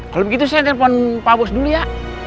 kalau begitu saya telepon pabos dulu ya